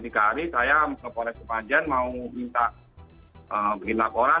terus dua hari tiga hari saya ke polres kepanjen mau minta bikin laporan